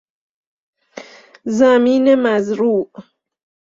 زمین مزروع